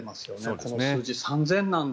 この数字３０００なんだ